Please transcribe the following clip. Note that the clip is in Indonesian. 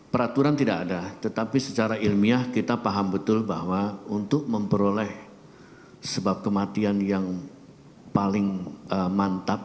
peraturan tidak ada tetapi secara ilmiah kita paham betul bahwa untuk memperoleh sebab kematian yang paling mantap